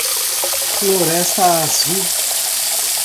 Floresta Azul